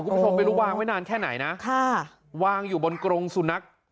คุณผู้ชมไม่รู้วางไว้นานแค่ไหนนะค่ะวางอยู่บนกรงสุนัข